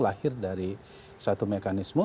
lahir dari satu mekanisme